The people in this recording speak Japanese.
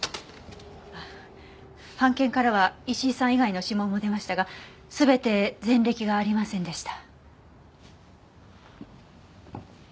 半券からは石井さん以外の指紋も出ましたが全て前歴がありませんでした。